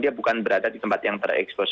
dia bukan berada di tempat yang terekspos